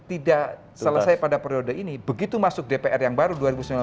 kalau tidak selesai pada periode ini begitu masuk dpr yang baru dua ribu sembilan belas dua ribu dua puluh empat